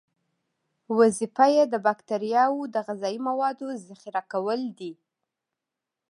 وظیفه یې د باکتریاوو د غذایي موادو ذخیره کول دي.